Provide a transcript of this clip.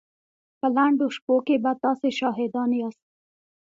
په لنډو شپو کې به تاسې شاهدان ياست.